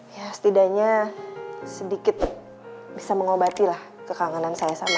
ya setidaknya sedikit bisa mengobati lah kekanganan saya sama